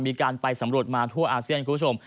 มีการไปสำรวจมาทั่วอาเซียนคุณผู้ชม